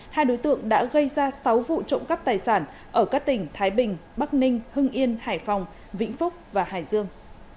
hai đối tượng đã gây ra sáu vụ trộm cắp tài sản ở các tỉnh thái bình bắc ninh hưng yên hải phòng vĩnh phúc và hải dương